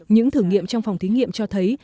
những thử nghiệm trong phòng thí nghiệm cho thấy